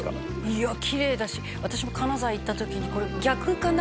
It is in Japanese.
「いやきれいだし私も金沢行った時に逆かな？